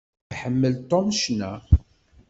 Iḥemmel Tom ccna.